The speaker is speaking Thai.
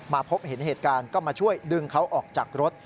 พบเห็นเหตุการณ์ก็มาช่วยดึงเขาออกจากรถ